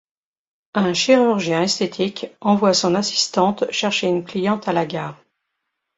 Un chirurgien esthétique envoie son assistante chercher une cliente à la gare.